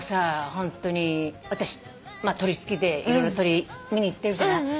ホントに私鳥好きで色々鳥見に行ってるじゃない。